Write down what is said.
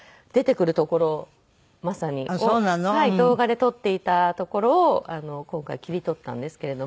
動画で撮っていたところを今回切り取ったんですけれども。